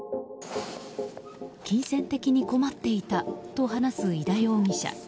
金銭的に困っていたと話す井田容疑者。